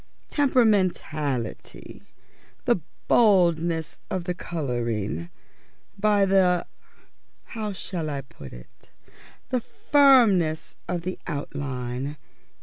tempermentality, the boldness of the colouring, by the how shall I put it? the firmness of the outline.